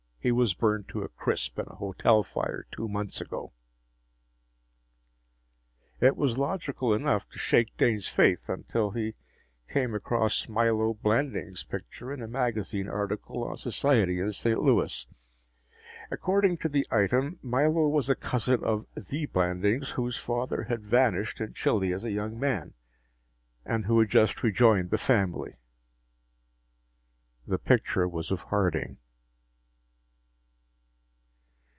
He was burned to a crisp in a hotel fire two months ago." It was logical enough to shake Dane's faith, until he came across Milo Blanding's picture in a magazine article on society in St. Louis. According to the item, Milo was a cousin of the Blandings, whose father had vanished in Chile as a young man, and who had just rejoined the family. The picture was of Harding!